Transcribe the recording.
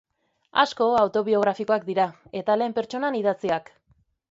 Asko autobiografikoak dira, eta lehen pertsonan idatziak.